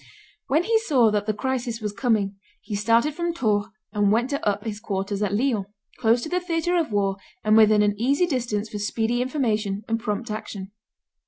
When he saw that the crisis was coming, he started from Tours and went to take up his quarters at Lyons, close to the theatre of war and within an easy distance for speedy information and prompt action.